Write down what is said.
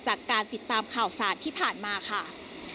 จากการติดตามข่าวสารที่ผ่านมาค่ะ